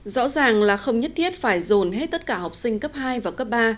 rõ ràng là không nhất thiết phải dồn hết tất cả học sinh cấp hai và cấp ba